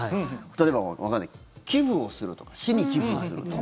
例えば、寄付をするとか市に寄付をするとか。